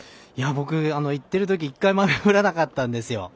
僕、行ってるとき一回も雨降らなかったんですよ。